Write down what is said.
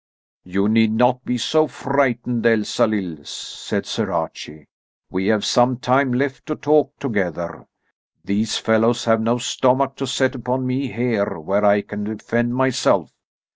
"You need not be so frightened, Elsalill," said Sir Archie. "We have some time left to talk together. These fellows have no stomach to set upon me here, where I can defend myself.